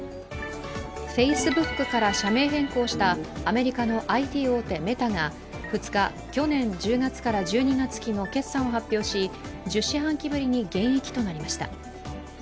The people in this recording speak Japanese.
フェイスブックから社名変更したアメリカのＩＴ大手メタが２日、去年１０月から１２月期の決算を発表し、１０四半期ぶりに減益となりました。